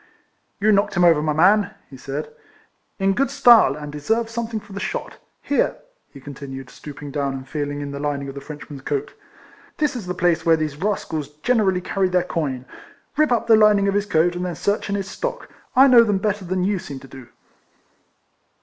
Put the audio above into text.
" You knocked him over, my man," he said, " in good style, and deserve something for the shot. Here," he continued, stooping down, and feeling in the lining of the Frenchman's coat, "this is the place where these rascals generally carry their coin. Rip up the lining of his coat, and then search in his stock. I know them better than you seem to do."